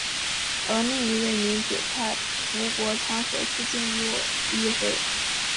而另一位民主派吴国昌首次进入议会。